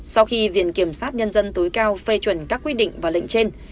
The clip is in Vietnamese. sau khi viện kiểm sát nhân dân tối cao phê chuẩn các quy định và lệnh trên